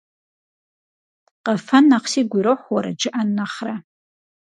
Къэфэн нэхъ сигу ирохь уэрэд жыӏэн нэхърэ.